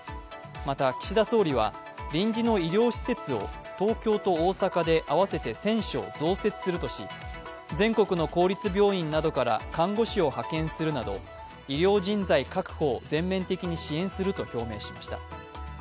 また、岸田総理は臨時の医療施設を東京と大阪で合わせて１０００床増設するとし、全国の公立病院などから看護師を派遣するなど医療人材確保を全面的に支援すると表明しました。